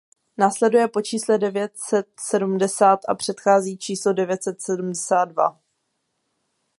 Následuje po čísle devět set sedmdesát a předchází číslu devět set sedmdesát dva.